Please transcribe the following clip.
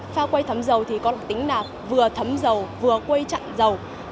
phao quay thấm dầu thì có lực tính là vừa thấm dầu vừa quay chặn dầu